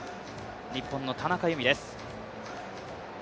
日本の田中佑美です。